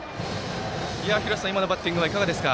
廣瀬さん、今のバッティングはいかがですか？